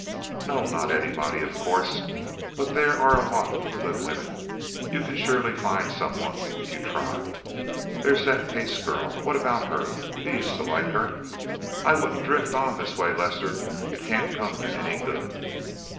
"No, not anybody, of course, but there are lots of good women. You can surely find some one if you try. There's that Pace girl. What about her? You used to like her. I wouldn't drift on this way, Lester; it can't come to any good."